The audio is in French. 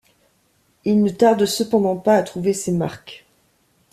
Il ne tarde cependant pas à trouver ses marques.